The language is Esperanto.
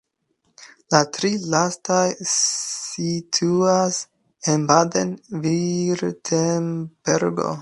La tri lastaj situas en Baden-Virtembergo.